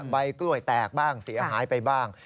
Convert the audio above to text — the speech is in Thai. ใบกล้วยแตกบ้างเสียหายไปบ้าง